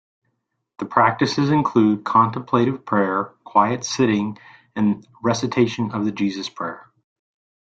The practices include contemplative prayer, quiet sitting, and recitation of the Jesus Prayer.